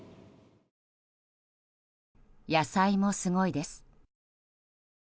野菜もすごいです。